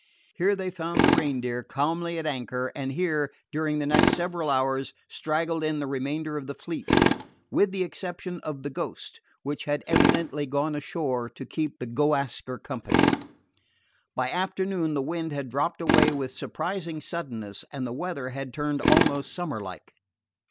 Here they found the Reindeer calmly at anchor; and here, during the next several hours, straggled in the remainder of the fleet, with the exception of the Ghost, which had evidently gone ashore to keep the Go Ask Her company. By afternoon the wind had dropped away with surprising suddenness, and the weather had turned almost summer like.